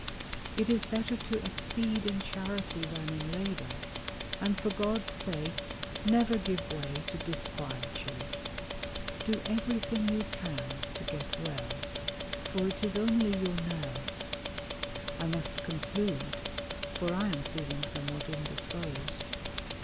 It is better to exceed in charity than in labour, and for God's sake never give way to disquietude: do everything you can to get well, for it is only your nerves. I must conclude, for I am feeling somewhat indisposed.